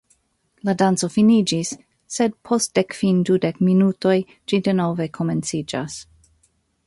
La danco finiĝis, sed post dekkvin-dudek minutoj ĝi denove komenciĝas.